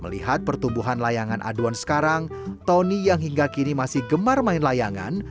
melihat pertumbuhan layangan aduan sekarang tony yang hingga kini masih gemar main layangan